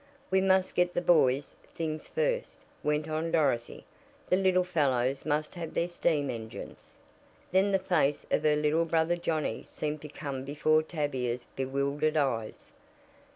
"We must get the boys' things first," went on Dorothy. "The little fellows must have their steam engines." Then the face of her little brother Johnnie seemed to come before Tavia's bewildered eyes.